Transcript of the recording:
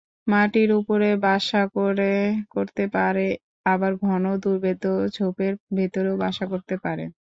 মাটির ওপরেও বাসা করতে পারে, আবার ঘন-দুর্ভেদ্য ঝোপের ভেতরেও বাসা করতে পারে।